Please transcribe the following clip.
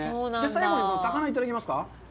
最後に高菜いただきますか？